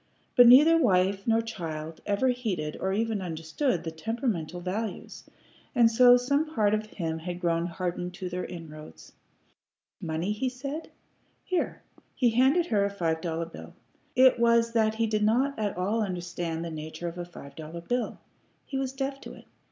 But neither wife nor child ever heeded or even understood the temperamental values, and so some part of him had grown hardened to their inroads. "Money?" he said. "Here." He handed her a five dollar bill. It was that he did not at all understand the nature of a five dollar bill. He was deaf to it.